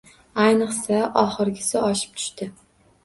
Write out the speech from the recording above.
Ayniqsa oxirgisi oshib tushdi.